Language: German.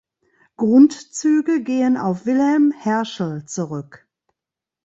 Grundzüge gehen auf Wilhelm Herschel zurück.